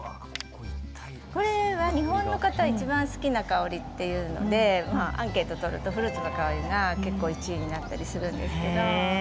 これは日本の方いちばん好きな香りっていうのでアンケート取るとフルーツの香りが結構１位になったりするんですけど。